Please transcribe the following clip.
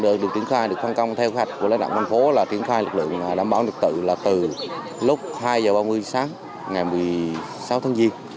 lực lượng được triển khai được phân công theo khách của lãnh đạo ngân phố là triển khai lực lượng đảm bảo lực tự là từ lúc hai giờ ba mươi sáng ngày một mươi sáu tháng giêng